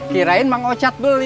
kirain bang ocet